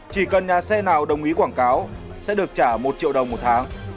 chỉ cần nhà xe nào đồng ý quảng cáo sẽ được trả một triệu đồng một tháng